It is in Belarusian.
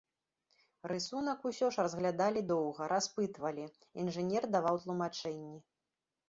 Рысунак усё ж разглядалі доўга, распытвалі, інжынер даваў тлумачэнні.